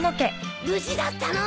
無事だったの！？